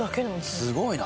すごいな。